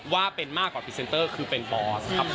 ว่าเป็นมากกว่าพรีเซนเตอร์คือเป็นบอสครับ